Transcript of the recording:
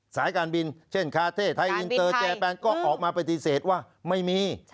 สายการบินเช่นคาเท่ไทยอินเตอร์แจนก็ออกมาปฏิเสธว่าไม่มี